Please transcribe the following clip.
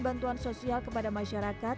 bantuan sosial kepada masyarakat